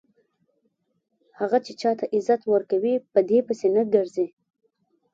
هغه چې چاته عزت ورکوي په دې پسې نه ګرځي.